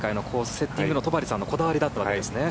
セッティングの戸張さんのこだわりだったわけですね。